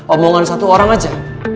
omongan satu orang aja